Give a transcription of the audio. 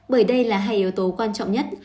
bởi đây là hai yếu tố quan trọng nhất